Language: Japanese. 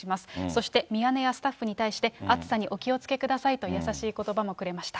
そしてミヤネ屋スタッフに対して、暑さにお気をつけくださいと、優しいことばもくれました。